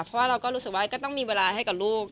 เพราะว่าเราก็รู้สึกว่าก็ต้องมีเวลาให้กับลูก